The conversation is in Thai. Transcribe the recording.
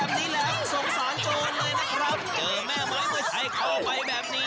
เป็นแบบนี้แหละสงสารโจรเลยนะครับเจอแม่เม้งให้เข้าไปแบบนี้